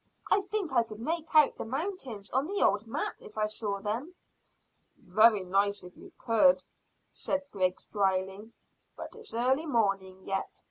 I think I could make out the mountains on the old map if I saw them." "Very nice if you could," said Griggs dryly. "But it's early morning yet.